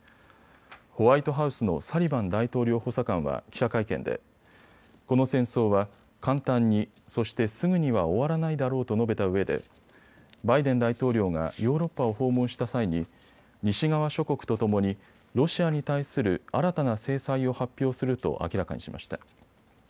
ホワイトハウスのサリバン大統領補佐官は記者会見でこの戦争は簡単に、そしてすぐには終わらないだろうと述べたうえでバイデン大統領がヨーロッパを訪問した際に西側諸国とともにロシアに対する新たな制裁を発表すると明らかにしました。